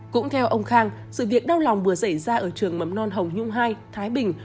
cũng theo ông khang sự việc đau lòng vừa xảy ra ở trường mầm non hồng nhung hai thái bình